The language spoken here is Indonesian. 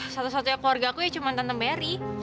satu satunya keluarga aku ya cuma tante mary